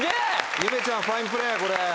ゆめちゃんファインプレーこれ。